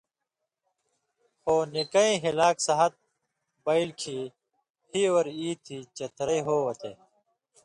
خو نِکئ ہِلاک سہت بئیلیۡ کھیں ہی اور ای تھی چھترئ ہو وتے۔